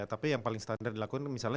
tapi yang paling standar dilakukan misalnya